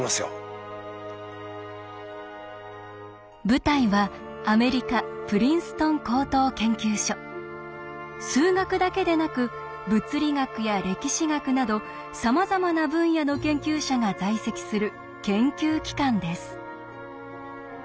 舞台はアメリカ数学だけでなく物理学や歴史学などさまざまな分野の研究者が在籍する研究機関です。